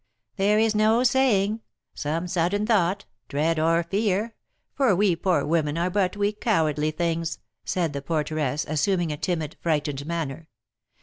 "There is no saying; some sudden thought, dread or fear, for we poor women are but weak, cowardly things," said the porteress, assuming a timid, frightened manner.